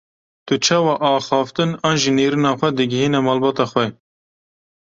Tu çawa axaftin an jî nêrîna xwe digihîne malbata xwe?